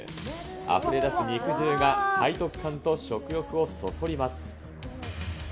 あふれ出す肉汁が、背徳感と食欲をそそります。